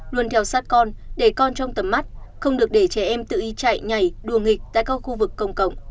luôn theo sát con để con trong tầm mắt không được để trẻ em tự y chạy nhảy đùa nghịch tại các khu vực công cộng